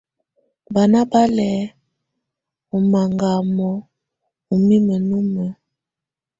Banà bá lɛ̀ ɔ̀ maŋgamɔ ù mimǝ́ numǝ.